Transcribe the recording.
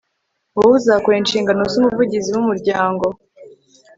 wowe uzakora inshingano z'umuvugizi w' umuryango